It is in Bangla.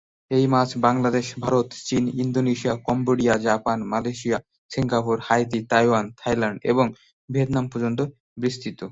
এই মাছ বাংলাদেশ, ভারত, চীন, Indonesia, Cambodia, Japan, Malaysia, Singapore, Haiti, Taiwan, Thailand এবং ভিয়েতনাম পর্যন্ত বিস্তৃত।